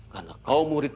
karena kau murid